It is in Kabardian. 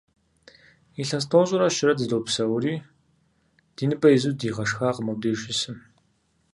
Илъэс тӀощӀрэ щырэ дыздопсэури, ди ныбэ изу дигъэшхакъым мобдеж щысым.